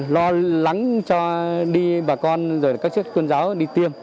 lo lắng cho đi bà con rồi các chức sắc tôn giáo đi tiêm